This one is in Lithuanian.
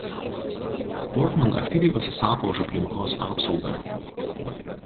Portman aktyviai pasisako už aplinkos apsaugą.